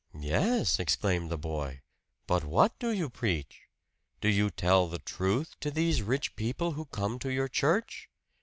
"Yes!" exclaimed the boy, "but what do you preach? Do you tell the truth to these rich people who come to your church?